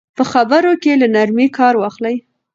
په خبرو کې له نرمۍ کار واخلئ.